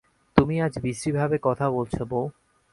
তুমি আজ বিশ্রীভাবে কথা বলছ বৌ।